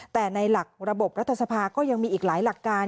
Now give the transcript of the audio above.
แต่ในหลักระบบรัฐสภาก็ยังมีอีกหลายหลักการ